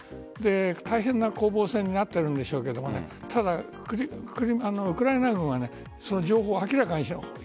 大変な攻防戦になっているんでしょうけどウクライナ軍はその情報を明らかにしていない。